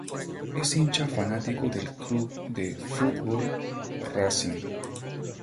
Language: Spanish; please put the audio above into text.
Es hincha fanático del club de fútbol Racing.